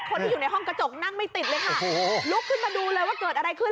คนที่อยู่ในห้องกระจกนั่งไม่ติดเลยค่ะโอ้โหลุกขึ้นมาดูเลยว่าเกิดอะไรขึ้น